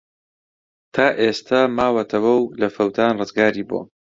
تا ئێستە ماوەتەوە و لە فەوتان ڕزگاری بووە.